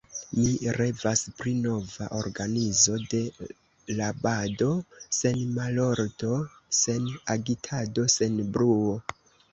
Mi revas pri nova organizo de rabado, sen malordo, sen agitado, sen bruo.